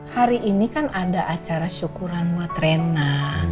hari ini kan ada acara syukuran buat rena